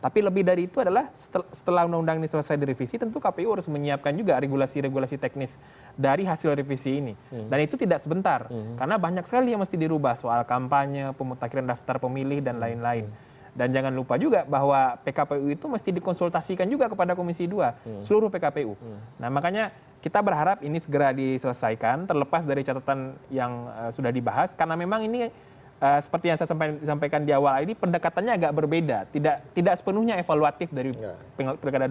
pendekatannya agak berbeda tidak sepenuhnya evaluatif dari pergaduhan dua ribu dua belas